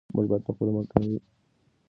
موږ باید خپل مخکني قضاوتونه لږ کړو.